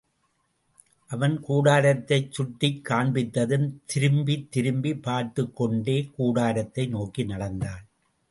அவன் கூடாரத்தைச் சுட்டிக் காண்பித்ததும், திரும்பித் திரும்பிப் பார்த்துக் கொண்டே கூடாரத்தை நோக்கி நடந்தாள்.